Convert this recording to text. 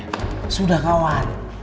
eh sudah kawan